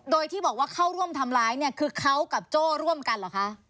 โดยที่บอกว่าเข้าร่วมทำร้ายเนี่ยคือเขากับโจ้ร่วมกันเหรอคะ